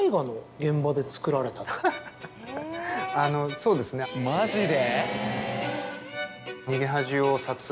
ハハハハあのそうですね。マジで？